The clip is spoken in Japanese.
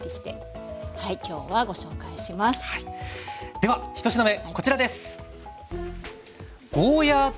では１品目こちらです。